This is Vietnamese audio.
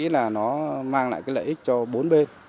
nghĩ là nó mang lại lợi ích cho bốn bên